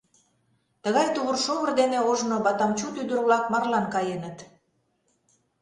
Тыгай тувыр-шовыр дене ожно батаммчуд ӱдыр-влак марлан каеныт.